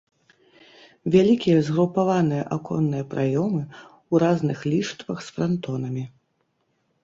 Вялікія згрупаваныя аконныя праёмы ў разных ліштвах з франтонамі.